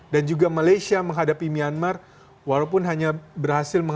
dan juga malaysia menghadapi myanmar walaupun hanya berhasil menang